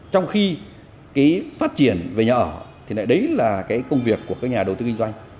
trong khi phát triển về nhà ở thì đấy là công việc của nhà đầu tư kinh doanh